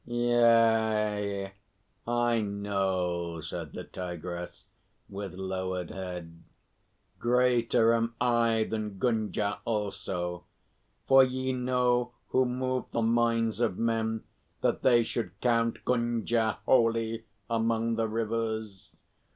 "Yea, I know," said the Tigress, with lowered head. "Greater am I than Gunga also. For ye know who moved the minds of men that they should count Gunga holy among the rivers.